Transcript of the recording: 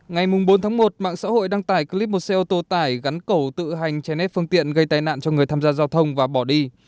ngày bốn một mạng xã hội đăng tải clip một xe ô tô tải gắn cẩu tự hành trên ép phương tiện gây tai nạn cho người tham gia giao thông và bỏ đi